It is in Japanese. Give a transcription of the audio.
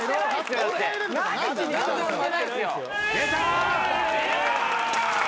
・出た！